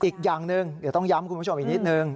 อีกอย่างหนึ่งเดี๋ยวต้องย้ำคุณผู้ชมอีกนิดนึง